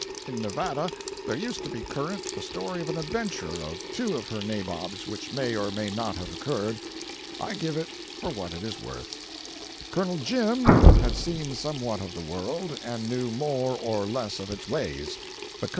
In Nevada there used to be current the story of an adventure of two of her nabobs, which may or may not have occurred. I give it for what it is worth: Col. Jim had seen somewhat of the world, and knew more or less of its ways; but Col.